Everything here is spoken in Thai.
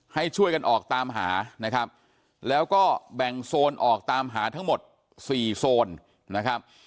ให้ช่วยกันออกตามหานะครับแล้วก็แบ่งโซนออกตามหาทั้งหมด๔โซนนะครับ